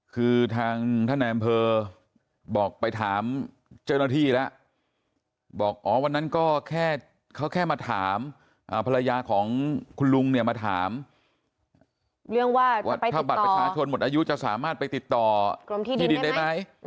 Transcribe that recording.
คือทางท่านอำเภอบอกไปถามเจ้าหน้าที่และบอกวันนั้นก็แค่มาถามภรรยาของคุณลุงมาถามว่าถ้าบัตรประชาชนหมดอายุจะสามารถไปติดต่อที่ดินได้ไหม